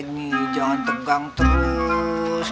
nih jangan tegang terus